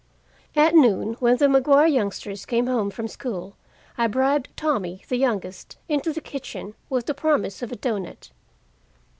At noon when the Maguire youngsters came home from school, I bribed Tommy, the youngest, into the kitchen, with the promise of a doughnut.